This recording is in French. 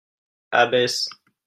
Abbesse